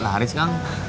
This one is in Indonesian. nah haris kak